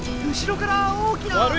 後ろから大きな。